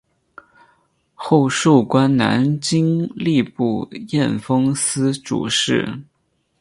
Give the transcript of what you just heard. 后授官南京吏部验封司主事。